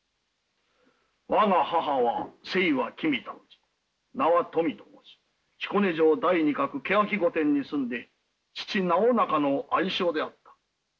我が母は姓は君田氏名は富と申し彦根城第二郭槻御殿に住んで父直中の愛妾であった。